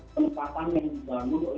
penempatan yang dibangun oleh